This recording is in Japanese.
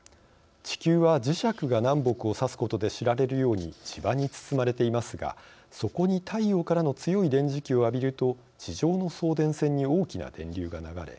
地球は磁石が南北を指すことで知られるように磁場に包まれていますがそこに太陽からの強い電磁気を浴びると地上の送電線に大きな電流が流れ